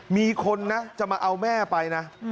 มีคนนะจะมาเอาแม่ไปนะ